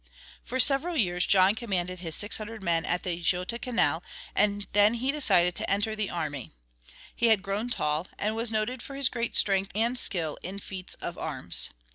For several years John commanded his six hundred men at the Göta Canal, and then he decided to enter the army. He had grown tall, and was noted for his great strength and skill in feats of arms.